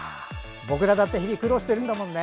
僕らだって日々、苦労してるんだもんね。